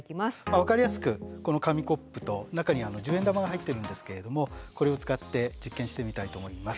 分かりやすくこの紙コップと中に十円玉が入ってるんですけれどもこれを使って実験してみたいと思います。